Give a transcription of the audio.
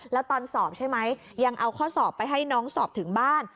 แล้วตอนสอบใช่ไหมยังเอาข้อสอบไปให้น้องสอบถึงบ้าน